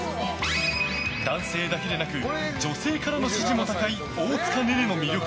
男性だけでなく女性からの支持も高い大塚寧々の魅力。